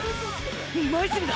今泉だ！！